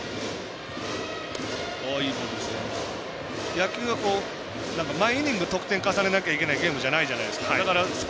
野球は毎イニング得点重ねなきゃいけないゲームじゃないですか。